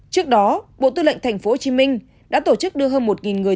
trước đó bộ tư lệnh tp hcm đã tổ chức đưa hơn một người